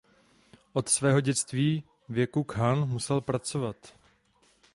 Od svého dětského věku Khan musel pracovat.